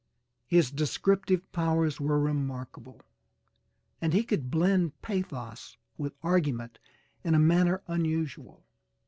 His descriptive powers were remarkable, and he could blend pathos with argument in a manner unusual.